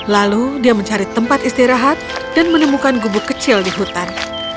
lalu dia mencari tempat istirahat dan menemukan gubuk kecil di hutan